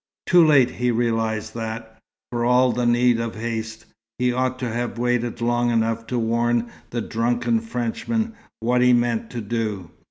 Too late he realized that, for all the need of haste, he ought to have waited long enough to warn the drunken Frenchman what he meant to do.